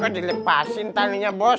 kok dilepasin taninya bos